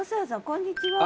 こんにちは。